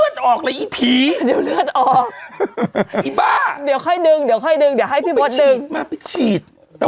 เดี๋ยวเลือดออกเดี๋ยวให้ดึงเดี๋ยวให้ดึงเดี๋ยวให้พี่บ็อตดึงมาไปฉีด